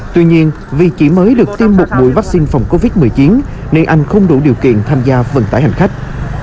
tuy nhiên vì chỉ mới được tiêm một mũi vaccine phòng covid một mươi chín nên anh không đủ điều kiện tham gia vận tải hành khách